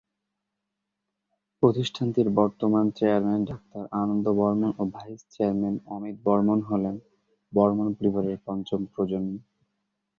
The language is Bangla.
প্রতিষ্ঠানটির বর্তমান চেয়ারম্যান ডাক্তার আনন্দ বর্মণ ও ভাইস চেয়ারম্যান অমিত বর্মণ হলেন বর্মণ পরিবারের পঞ্চম প্রজন্ম।